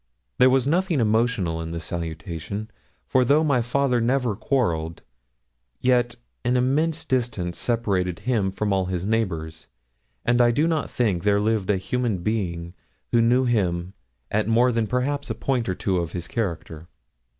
There was nothing emotional in this salutation, for though my father never quarrelled, yet an immense distance separated him from all his neighbours, and I do not think there lived a human being who knew him at more than perhaps a point or two of his character.